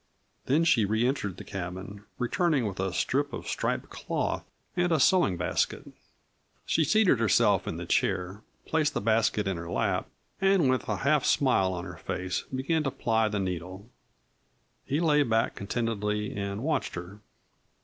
Then she re entered the cabin, returning with a strip of striped cloth and a sewing basket. She seated herself in the chair, placed the basket in her lap, and with a half smile on her face began to ply the needle. He lay back contentedly and watched her.